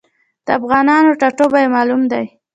د افغانانو ټاټوبی معلوم دی.